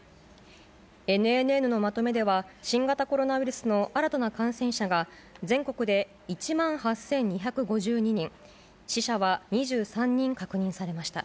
ＮＮＮのまとめでは、新型コロナウイルスの新たな感染者が、全国で１万８２５２人、死者は２３人確認されました。